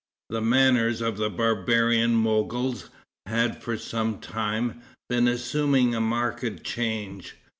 The manners of the barbarian Mogols had, for some time, been assuming a marked change.